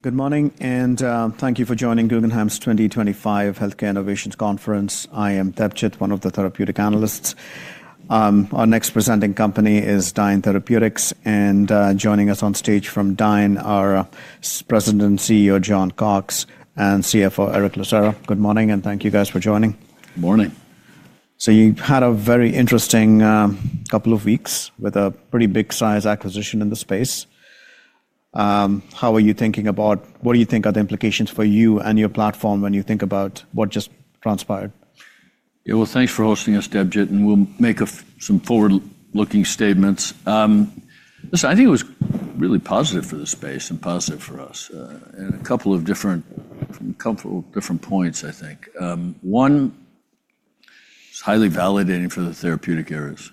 Good morning, and thank you for joining Guggenheim's 2025 Healthcare Innovations Conference. I am Debjit, one of the therapeutic analysts. Our next presenting company is Dyne Therapeutics, and joining us on stage from Dyne are President and CEO John Cox and CFO Erick Lucera. Good morning, and thank you guys for joining. Good morning. You've had a very interesting couple of weeks with a pretty big-sized acquisition in the space. How are you thinking about what do you think are the implications for you and your platform when you think about what just transpired? Yeah, thanks for hosting us, Debjit, and we'll make some forward-looking statements. Listen, I think it was really positive for the space and positive for us in a couple of different, comfortable different points, I think. One, it's highly validating for the therapeutic areas.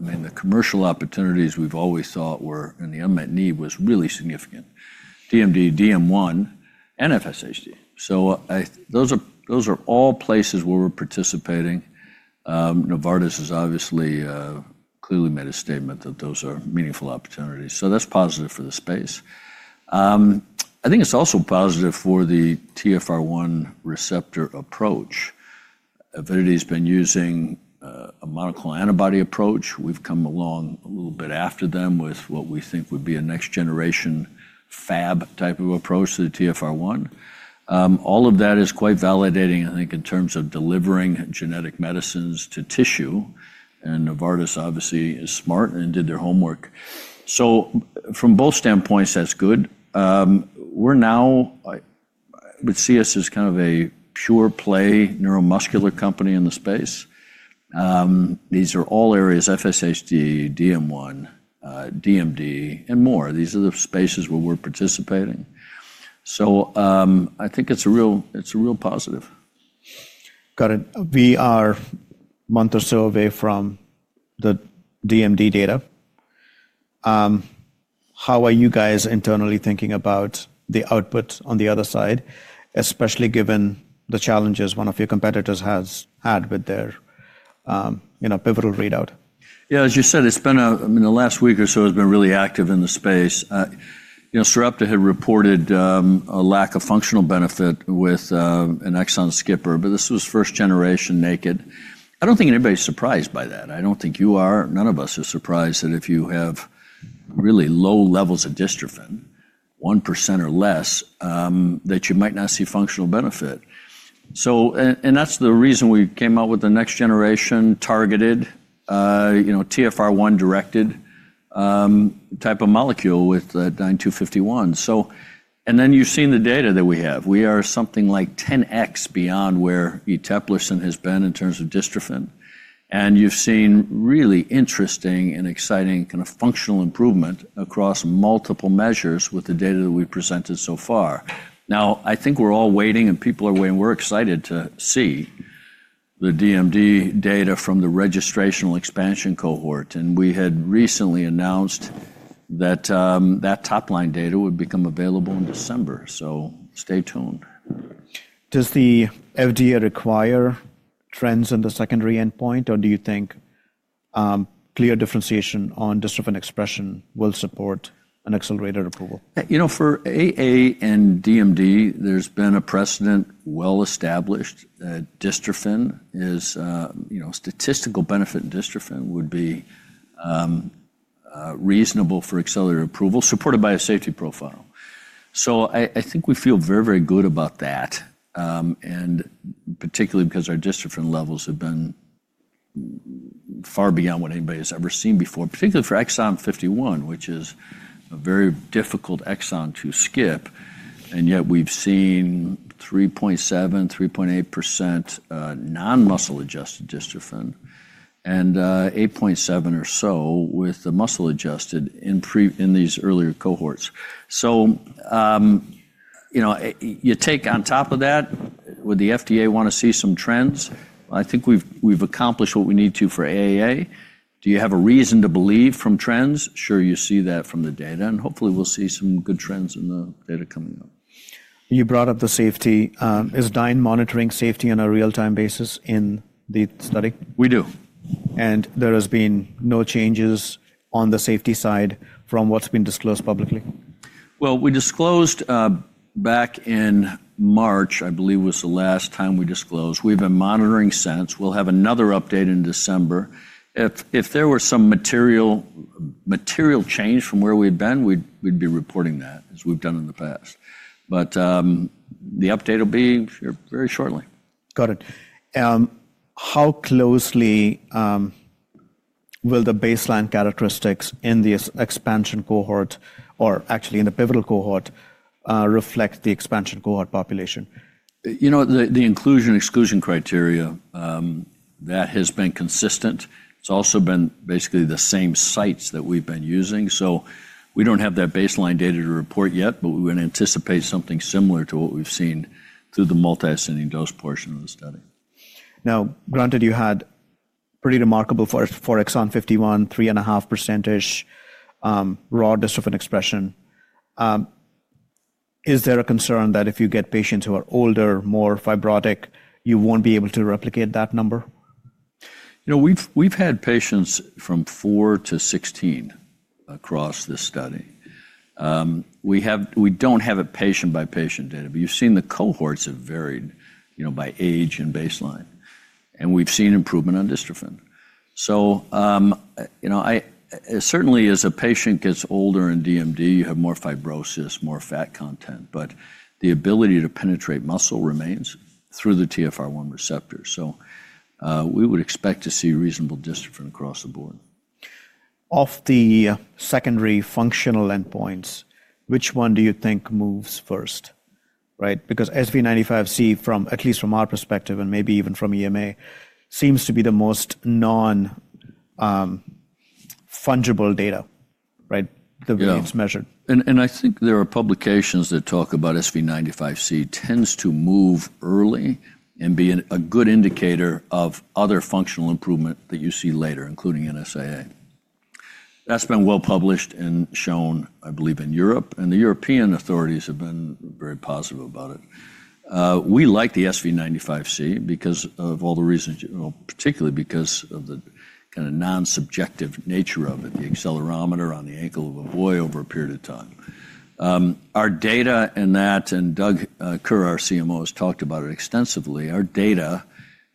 I mean, the commercial opportunities we've always thought were in the unmet need was really significant: DMD, DM1, and FSHD. Those are all places where we're participating. Novartis has obviously clearly made a statement that those are meaningful opportunities. That's positive for the space. I think it's also positive for the TfR1 receptor approach. Avidity has been using a monoclonal antibody approach. We've come along a little bit after them with what we think would be a next-generation Fab type of approach to the TfR1. All of that is quite validating, I think, in terms of delivering genetic medicines to tissue. Novartis obviously is smart and did their homework. From both standpoints, that's good. I would see us as kind of a pure-play neuromuscular company in the space. These are all areas: FSHD, DM1, DMD, and more. These are the spaces where we're participating. I think it's a real positive. Got it. We are a month or so away from the DMD data. How are you guys internally thinking about the output on the other side, especially given the challenges one of your competitors has had with their pivotal readout? Yeah, as you said, it's been a, I mean, the last week or so has been really active in the space. Sarepta had reported a lack of functional benefit with an exon skipper, but this was first-generation naked. I don't think anybody's surprised by that. I don't think you are. None of us are surprised that if you have really low levels of dystrophin, 1% or less, that you might not see functional benefit. That's the reason we came out with a next-generation targeted TfR1-directed type of molecule with DYNE‑251. Then you've seen the data that we have. We are something like 10x beyond where Eteplirsen has been in terms of dystrophin. You've seen really interesting and exciting kind of functional improvement across multiple measures with the data that we've presented so far. Now, I think we're all waiting, and people are waiting. We're excited to see the DMD data from the registrational expansion cohort. We had recently announced that that top-line data would become available in December. Stay tuned. Does the FDA require trends on the secondary endpoint, or do you think clear differentiation on dystrophin expression will support an accelerated approval? You know, for AA and DMD, there's been a precedent well-established. Dystrophin is, you know, statistical benefit in dystrophin would be reasonable for accelerated approval, supported by a safety profile. I think we feel very, very good about that, and particularly because our dystrophin levels have been far beyond what anybody has ever seen before, particularly for exon 51, which is a very difficult exon to skip. Yet we've seen 3.7%, 3.8% non-muscle-adjusted dystrophin and 8.7% or so with the muscle-adjusted in these earlier cohorts. You take on top of that, would the FDA want to see some trends? I think we've accomplished what we need to for AAA. Do you have a reason to believe from trends? Sure, you see that from the data, and hopefully we'll see some good trends in the data coming up. You brought up the safety. Is Dyne monitoring safety on a real-time basis in the study? We do. Have there been no changes on the safety side from what's been disclosed publicly? We disclosed back in March, I believe was the last time we disclosed. We've been monitoring since. We'll have another update in December. If there were some material change from where we had been, we'd be reporting that as we've done in the past. The update will be here very shortly. Got it. How closely will the baseline characteristics in the expansion cohort, or actually in the pivotal cohort, reflect the expansion cohort population? You know, the inclusion-exclusion criteria, that has been consistent. It's also been basically the same sites that we've been using. So we don't have that baseline data to report yet, but we would anticipate something similar to what we've seen through the multi-ascending dose portion of the study. Now, granted, you had pretty remarkable for exon 51, 3.5%-ish raw dystrophin expression. Is there a concern that if you get patients who are older, more fibrotic, you won't be able to replicate that number? You know, we've had patients from 4 to 16 across this study. We don't have a patient-by-patient data, but you've seen the cohorts have varied, you know, by age and baseline. We've seen improvement on dystrophin. You know, certainly as a patient gets older in DMD, you have more fibrosis, more fat content, but the ability to penetrate muscle remains through the TfR1 receptor. We would expect to see reasonable dystrophin across the board. Of the secondary functional endpoints, which one do you think moves first, right? Because SV95C, at least from our perspective and maybe even from EMA, seems to be the most non-fungible data, right, that needs measured. Yeah. I think there are publications that talk about SV95C tends to move early and be a good indicator of other functional improvement that you see later, including NSAA. That has been well published and shown, I believe, in Europe. The European authorities have been very positive about it. We like the SV95C because of all the reasons, particularly because of the kind of non-subjective nature of it, the accelerometer on the ankle of a boy over a period of time. Our data and that, and Doug Kerr, our CMO, has talked about it extensively. Our data,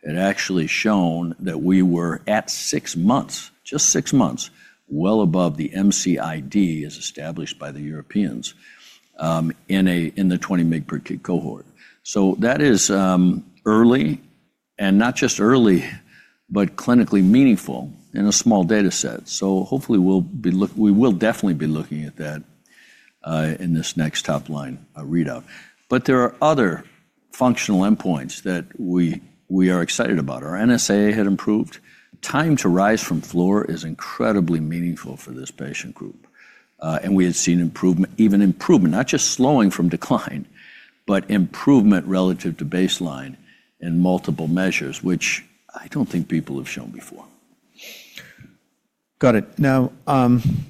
it actually shown that we were at six months, just six months, well above the MCID as established by the Europeans in the 20-mg per kid cohort. That is early and not just early, but clinically meaningful in a small data set. Hopefully we will definitely be looking at that in this next top-line readout. There are other functional endpoints that we are excited about. Our NSAA had improved. Time to rise from floor is incredibly meaningful for this patient group. We had seen improvement, even improvement, not just slowing from decline, but improvement relative to baseline in multiple measures, which I do not think people have shown before. Got it. Now,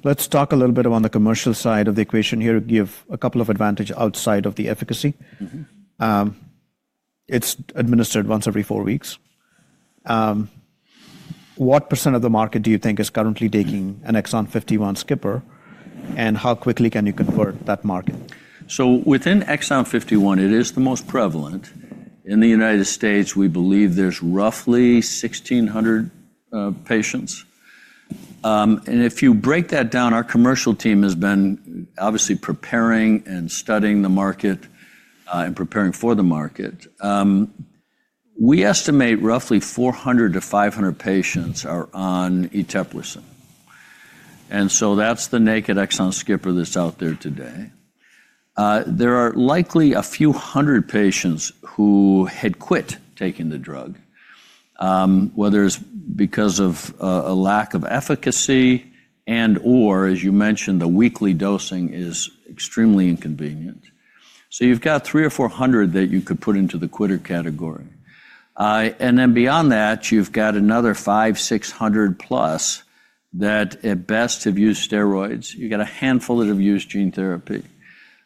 let's talk a little bit on the commercial side of the equation here to give a couple of advantages outside of the efficacy. It's administered once every four weeks. What % of the market do you think is currently taking an exon 51 skipper, and how quickly can you convert that market? Within exon 51, it is the most prevalent. In the U.S., we believe there's roughly 1,600 patients. If you break that down, our commercial team has been obviously preparing and studying the market and preparing for the market. We estimate roughly 400-500 patients are on Eteplirsen. That's the naked exon skipper that's out there today. There are likely a few hundred patients who had quit taking the drug, whether it's because of a lack of efficacy and/or, as you mentioned, the weekly dosing is extremely inconvenient. You have three or four hundred that you could put into the quitter category. Beyond that, you have another 500-600 plus that at best have used steroids. You have a handful that have used gene therapy.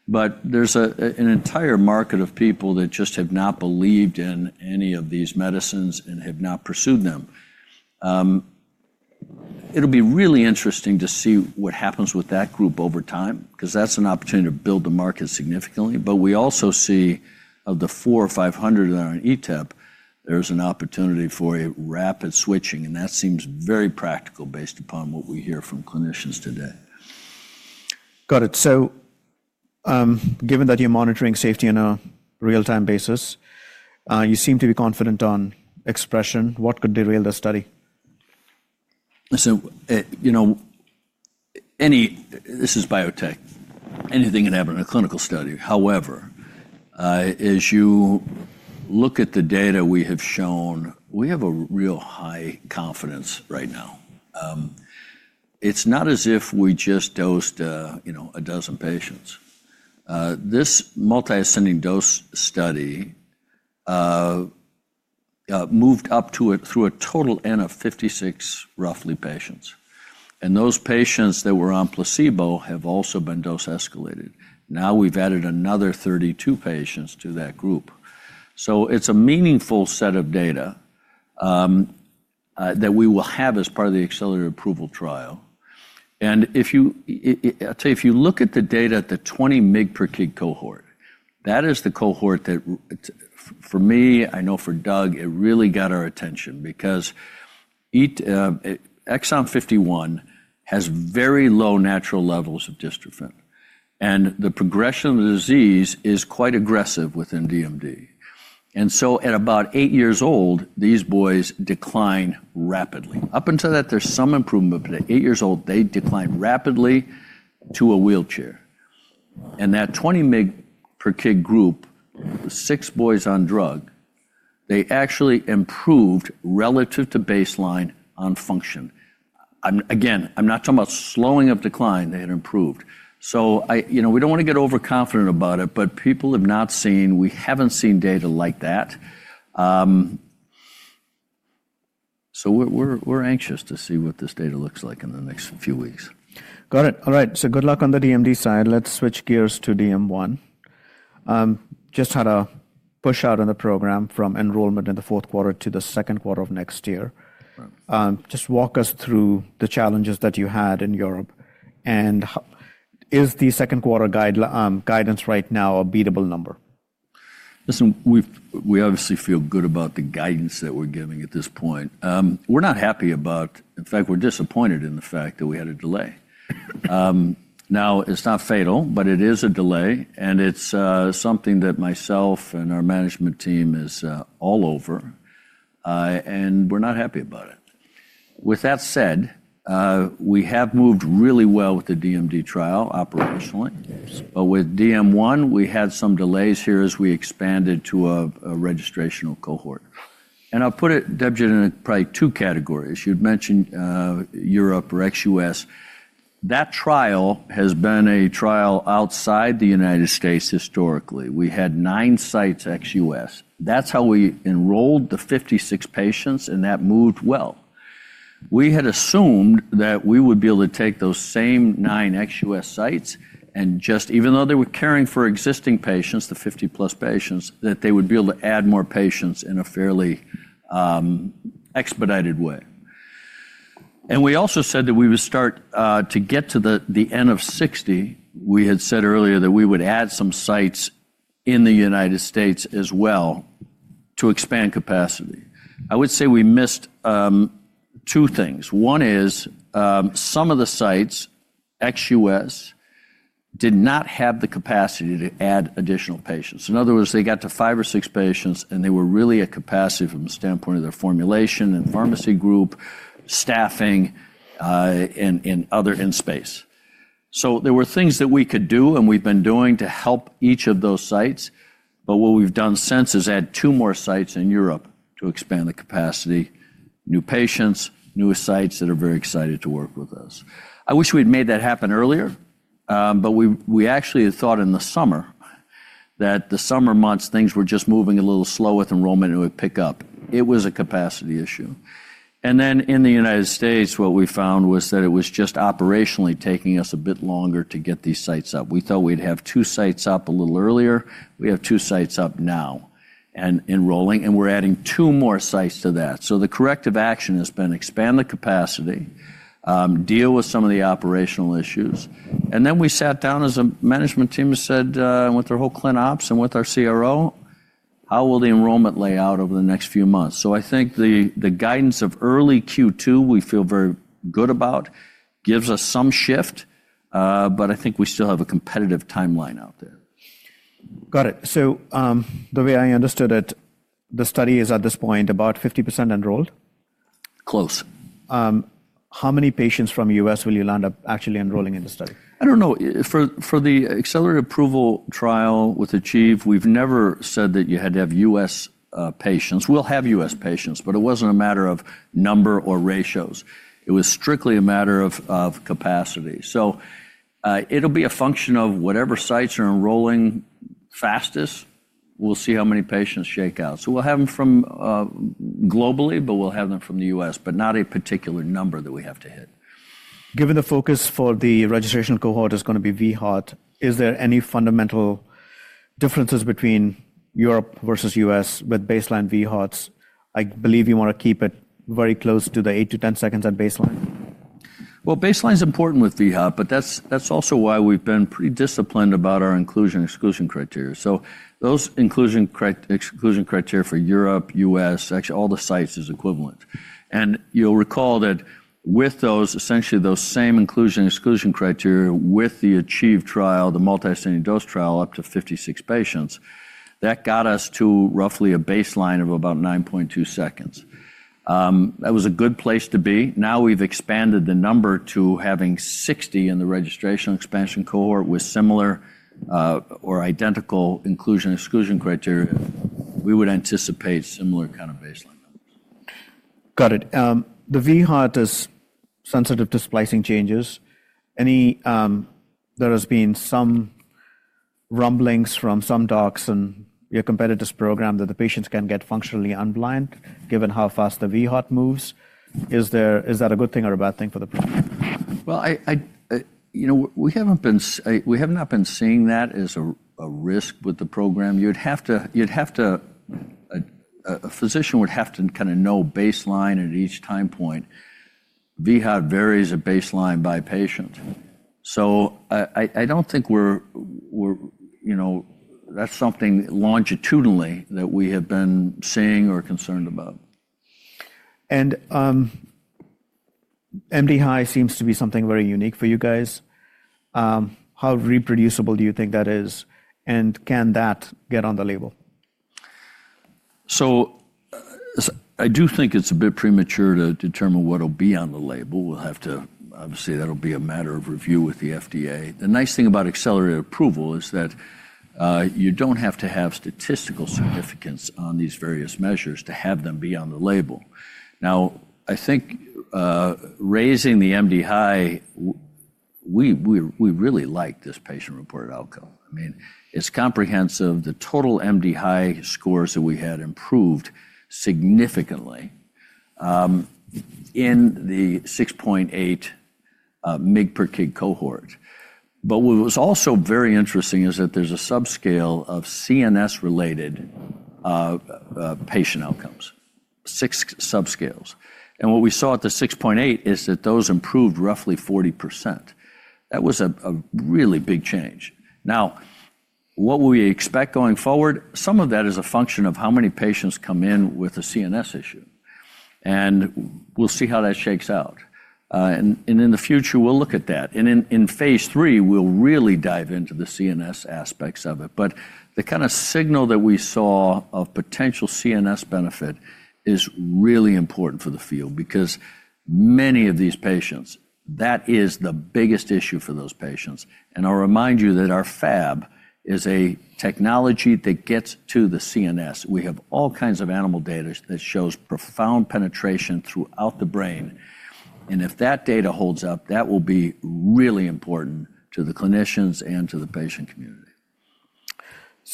There is an entire market of people that just have not believed in any of these medicines and have not pursued them. It will be really interesting to see what happens with that group over time, because that is an opportunity to build the market significantly. We also see of the 400-500 that are on Eteplirsen, there is an opportunity for a rapid switching, and that seems very practical based upon what we hear from clinicians today. Got it. Given that you're monitoring safety on a real-time basis, you seem to be confident on expression. What could derail the study? You know, this is biotech. Anything can happen in a clinical study. However, as you look at the data we have shown, we have a real high confidence right now. It's not as if we just dosed, you know, a dozen patients. This multi-ascending dose study moved up to it through a total N of 56 roughly patients. Those patients that were on placebo have also been dose escalated. Now we've added another 32 patients to that group. It's a meaningful set of data that we will have as part of the accelerated approval trial. If you, I'll tell you, if you look at the data at the 20 mg per kg cohort, that is the cohort that for me, I know for Doug, it really got our attention because exon 51 has very low natural levels of dystrophin. The progression of the disease is quite aggressive within DMD. At about eight years old, these boys decline rapidly. Up until that, there is some improvement, but at eight years old, they decline rapidly to a wheelchair. In that 20-mg per kg group, six boys on drug, they actually improved relative to baseline on function. Again, I'm not talking about slowing of decline. They had improved. I, you know, we don't want to get overconfident about it, but people have not seen, we haven't seen data like that. We are anxious to see what this data looks like in the next few weeks. Got it. All right. Good luck on the DMD side. Let's switch gears to DM1. Just had a push out on the program from enrollment in the fourth quarter to the second quarter of next year. Just walk us through the challenges that you had in Europe. Is the second quarter guidance right now a beatable number? Listen, we obviously feel good about the guidance that we're giving at this point. We're not happy about, in fact, we're disappointed in the fact that we had a delay. It is not fatal, but it is a delay. It is something that myself and our management team is all over. We're not happy about it. With that said, we have moved really well with the DMD trial operationally. With DM1, we had some delays here as we expanded to a registrational cohort. I'll put it, Debjit, in probably two categories. You'd mentioned Europe or ex-U.S. That trial has been a trial outside the United States historically. We had nine sites ex-U.S. That's how we enrolled the 56 patients, and that moved well. We had assumed that we would be able to take those same nine XUS sites and just, even though they were caring for existing patients, the 50-plus patients, that they would be able to add more patients in a fairly expedited way. We also said that we would start to get to the end of 60. We had said earlier that we would add some sites in the United States as well to expand capacity. I would say we missed two things. One is some of the sites XUS did not have the capacity to add additional patients. In other words, they got to five or six patients, and they were really at capacity from the standpoint of their formulation and pharmacy group, staffing, and other in space. There were things that we could do and we've been doing to help each of those sites. What we have done since is add two more sites in Europe to expand the capacity, new patients, new sites that are very excited to work with us. I wish we had made that happen earlier, but we actually had thought in the summer that the summer months, things were just moving a little slow with enrollment and it would pick up. It was a capacity issue. In the United States, what we found was that it was just operationally taking us a bit longer to get these sites up. We thought we would have two sites up a little earlier. We have two sites up now and enrolling, and we are adding two more sites to that. The corrective action has been expand the capacity, deal with some of the operational issues. We sat down as a management team and said, with our whole clean ops and with our CRO, how will the enrollment lay out over the next few months? I think the guidance of early Q2 we feel very good about gives us some shift, but I think we still have a competitive timeline out there. Got it. The way I understood it, the study is at this point about 50% enrolled? Close. How many patients from the U.S. will you land up actually enrolling in the study? I don't know. For the accelerated approval trial with Achieve, we've never said that you had to have U.S. patients. We'll have U.S. patients, but it wasn't a matter of number or ratios. It was strictly a matter of capacity. It'll be a function of whatever sites are enrolling fastest, we'll see how many patients shake out. We'll have them from globally, but we'll have them from the U.S., but not a particular number that we have to hit. Given the focus for the registration cohort is going to be VHOT, is there any fundamental differences between Europe versus U.S. with baseline VHOTs? I believe you want to keep it very close to the eight to ten seconds at baseline. Baseline is important with VHOT, but that's also why we've been pretty disciplined about our inclusion and exclusion criteria. Those inclusion criteria for Europe, U.S., actually all the sites, is equivalent. You'll recall that with those, essentially those same inclusion and exclusion criteria with the Achieve trial, the multi-ascending dose trial up to 56 patients, that got us to roughly a baseline of about 9.2 seconds. That was a good place to be. Now we've expanded the number to having 60 in the registration expansion cohort with similar or identical inclusion and exclusion criteria. We would anticipate similar kind of baseline. Got it. The VHOT is sensitive to splicing changes. Any there has been some rumblings from some docs and your competitors' program that the patients can get functionally unblind given how fast the VHOT moves? Is that a good thing or a bad thing for the program? You know, we have not been seeing that as a risk with the program. You'd have to, a physician would have to kind of know baseline at each time point. VHOT varies at baseline by patient. I don't think we're, you know, that's something longitudinally that we have been seeing or concerned about. MDHI seems to be something very unique for you guys. How reproducible do you think that is? And can that get on the label? I do think it's a bit premature to determine what will be on the label. We'll have to, obviously that'll be a matter of review with the FDA. The nice thing about accelerated approval is that you don't have to have statistical significance on these various measures to have them be on the label. Now, I think raising the MDHI, we really like this patient-reported outcome. I mean, it's comprehensive. The total MDHI scores that we had improved significantly in the 6.8 mg per kg cohort. What was also very interesting is that there's a subscale of CNS-related patient outcomes, six subscales. What we saw at the 6.8 is that those improved roughly 40%. That was a really big change. What will we expect going forward? Some of that is a function of how many patients come in with a CNS issue. We'll see how that shakes out. In the future, we'll look at that. In phase three, we'll really dive into the CNS aspects of it. The kind of signal that we saw of potential CNS benefit is really important for the field because many of these patients, that is the biggest issue for those patients. I'll remind you that our Fab is a technology that gets to the CNS. We have all kinds of animal data that shows profound penetration throughout the brain. If that data holds up, that will be really important to the clinicians and to the patient community.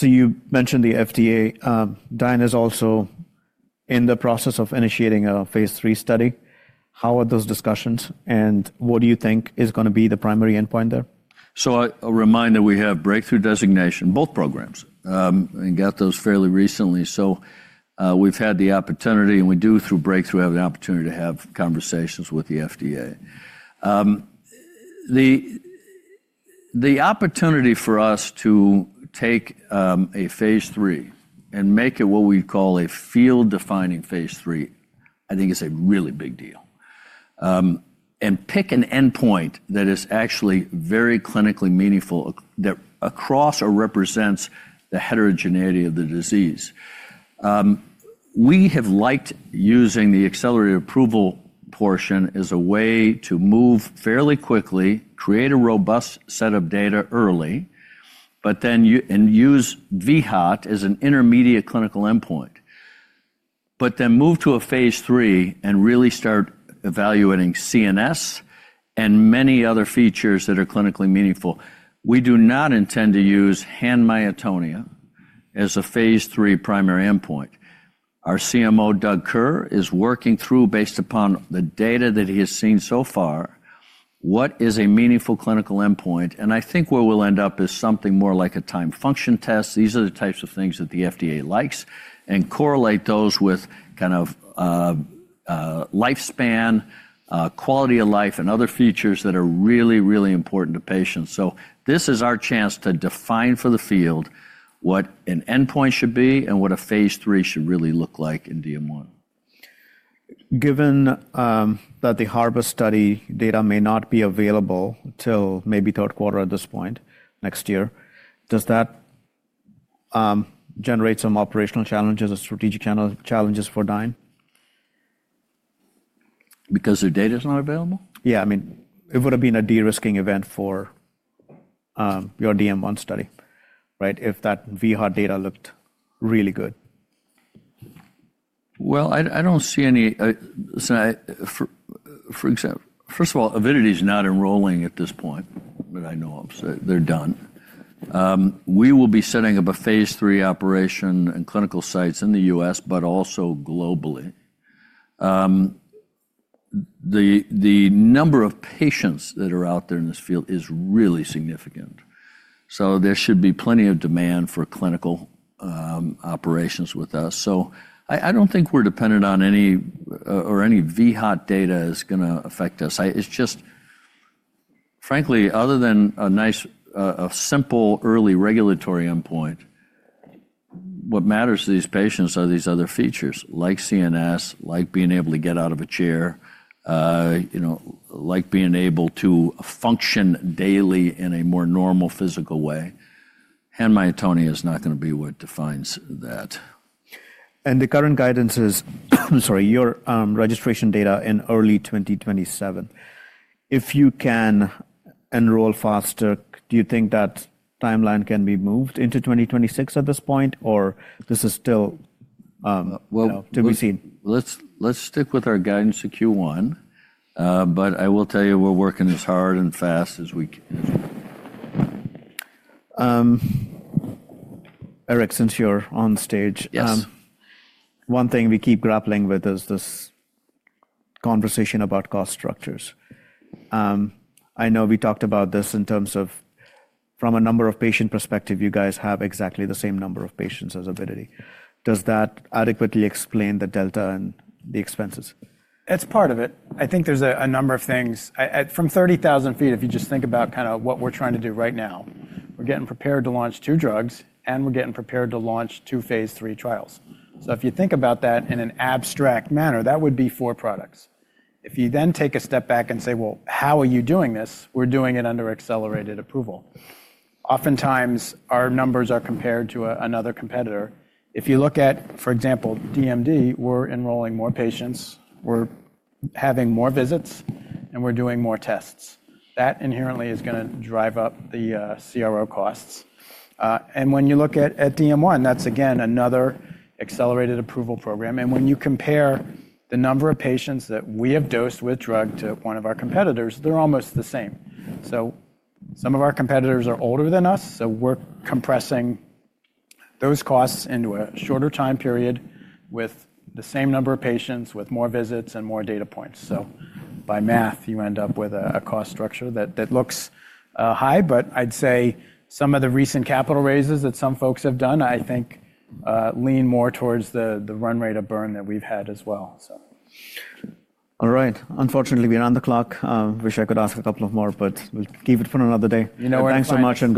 You mentioned the FDA. Dyne is also in the process of initiating a phase three study. How are those discussions? What do you think is going to be the primary endpoint there? A reminder, we have breakthrough designation, both programs, and got those fairly recently. We have had the opportunity, and we do through breakthrough have the opportunity to have conversations with the FDA. The opportunity for us to take a phase three and make it what we call a field-defining phase three, I think is a really big deal. Pick an endpoint that is actually very clinically meaningful that across or represents the heterogeneity of the disease. We have liked using the accelerated approval portion as a way to move fairly quickly, create a robust set of data early, but then use VHOT as an intermediate clinical endpoint, but then move to a phase three and really start evaluating CNS and many other features that are clinically meaningful. We do not intend to use hand myotonia as a phase three primary endpoint. Our CMO, Doug Kerr, is working through based upon the data that he has seen so far, what is a meaningful clinical endpoint. I think where we'll end up is something more like a time function test. These are the types of things that the FDA likes and correlate those with kind of lifespan, quality of life, and other features that are really, really important to patients. This is our chance to define for the field what an endpoint should be and what a phase three should really look like in DM1. Given that the harvest study data may not be available till maybe third quarter at this point next year, does that generate some operational challenges or strategic challenges for Dyne? Because their data is not available? Yeah, I mean, it would have been a de-risking event for your DM1 study, right, if that VHOT data looked really good. I don't see any, for example, first of all, Avidity is not enrolling at this point that I know of. They're done. We will be setting up a phase three operation and clinical sites in the U.S., but also globally. The number of patients that are out there in this field is really significant. There should be plenty of demand for clinical operations with us. I don't think we're dependent on any or any VHOT data is going to affect us. It's just, frankly, other than a nice, simple early regulatory endpoint, what matters to these patients are these other features, like CNS, like being able to get out of a chair, you know, like being able to function daily in a more normal physical way. Hand myotonia is not going to be what defines that. The current guidance is, I'm sorry, your registration data in early 2027. If you can enroll faster, do you think that timeline can be moved into 2026 at this point, or this is still to be seen? Let's stick with our guidance to Q1, but I will tell you we're working as hard and fast as we can. Eric, since you're on stage. Yes. One thing we keep grappling with is this conversation about cost structures. I know we talked about this in terms of from a number of patient perspective, you guys have exactly the same number of patients as Avidity. Does that adequately explain the delta in the expenses? It's part of it. I think there's a number of things. From 30,000 feet, if you just think about kind of what we're trying to do right now, we're getting prepared to launch two drugs and we're getting prepared to launch two phase three trials. If you think about that in an abstract manner, that would be four products. If you then take a step back and say, how are you doing this? We're doing it under accelerated approval. Oftentimes, our numbers are compared to another competitor. If you look at, for example, DMD, we're enrolling more patients, we're having more visits, and we're doing more tests. That inherently is going to drive up the CRO costs. When you look at DM1, that's again another accelerated approval program. When you compare the number of patients that we have dosed with drug to one of our competitors, they're almost the same. Some of our competitors are older than us, so we're compressing those costs into a shorter time period with the same number of patients, with more visits and more data points. By math, you end up with a cost structure that looks high, but I'd say some of the recent capital raises that some folks have done, I think, lean more towards the run rate of burn that we've had as well. All right. Unfortunately, we're on the clock. I wish I could ask a couple of more, but we'll keep it for another day. You know what? Thanks so much.